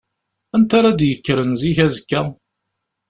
Anta ara d-yekkren zik azekka?